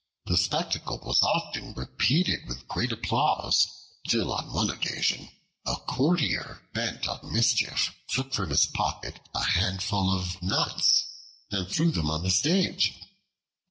The spectacle was often repeated with great applause, till on one occasion a courtier, bent on mischief, took from his pocket a handful of nuts and threw them upon the stage.